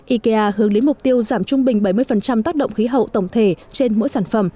ikea hướng đến mục tiêu giảm trung bình bảy mươi tác động khí hậu tổng thể trên mỗi sản phẩm